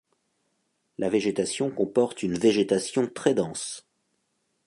La végétation comporte une végétation très dense.